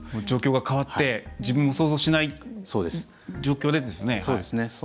状況が変わって、自分も想像しない状況でですよね。